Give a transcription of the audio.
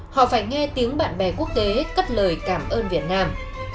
họ phải nghe tiếng bạn bè quốc tế cất lời cảm ơn việt nam